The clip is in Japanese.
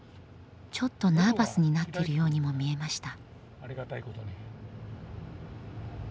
ちょっとナーバスになっているようにも見えました。